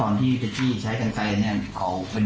โหลายกาก